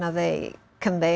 yang diberikan di sana